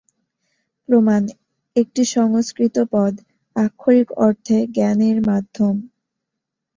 প্রমান, একটি সংস্কৃত শব্দ, আক্ষরিক অর্থে "জ্ঞানের মাধ্যম"।